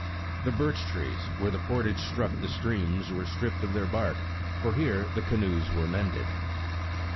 The birch trees, where the portage struck the streams, were stripped of their bark, for here the ca noes were mended.